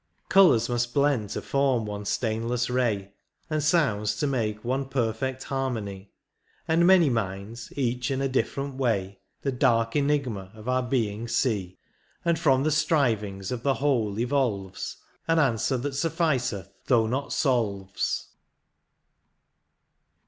Colours must blend to form one stainless ray. And sounds, to make one perfect harmony. And many minds, each in a different way, The dark enigma of our being see. And from the strivings of the whole evolves An answer that suffioeth, though not solves.